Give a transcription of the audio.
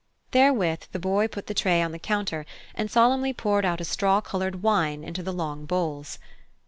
Therewith the boy put the tray on the counter and solemnly poured out a straw coloured wine into the long bowls.